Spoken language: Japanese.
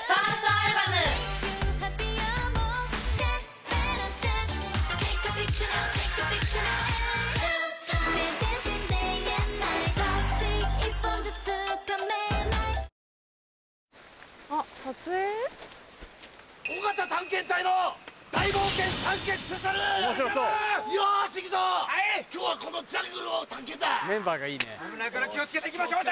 危ないから気を付けて行きましょう隊長！